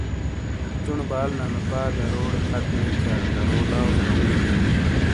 چُونو بال ننہ پا دروڑے پھت نیتھیا درو لاٶ ژاٶوں ہوں ۔۔